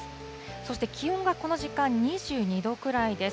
そして気温はこの時間、２２度くらいです。